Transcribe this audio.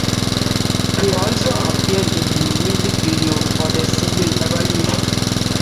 He also appeared in the music video for their single "Evolution".